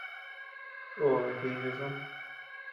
Obe ji sasu.